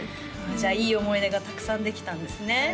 じゃあいい思い出がたくさんできたんですね